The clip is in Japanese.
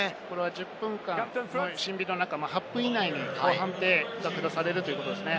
１０分間のシンビンの中、８分間の中に判定がくだされるということですね。